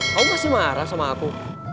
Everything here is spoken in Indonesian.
kamu pasti marah sama aku